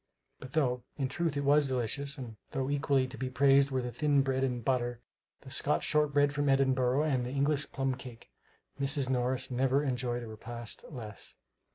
But though, in truth it was delicious, and though equally to be praised were the thin bread and butter, the Scotch shortbread from Edinburgh, and the English plum cake, Mrs. Morris never enjoyed a repast less.